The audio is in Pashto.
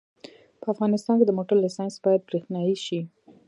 په افغانستان کې د موټر لېسنس باید برېښنایي شي